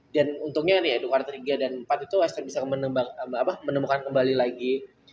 dan untungnya nih di quarter tiga dan empat itu hester bisa menemukan kembali lagi